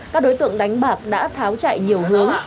các đối tượng đánh bạc đã tháo chạy nhỏ